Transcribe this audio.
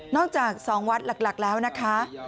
นอกจากสองวัดหลักแล้วนะคะ